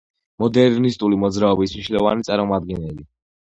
მოდერნისტული მოძრაობის მნიშვნელოვანი წარმომადგენელი.